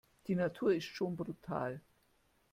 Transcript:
Die Natur ist schon brutal.